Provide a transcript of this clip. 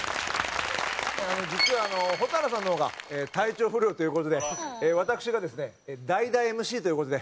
実は蛍原さんの方が体調不良という事で私がですね代打ＭＣという事で。